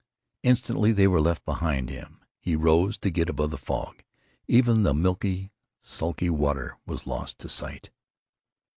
Instantly they were left behind him. He rose, to get above the fog. Even the milky, sulky water was lost to sight.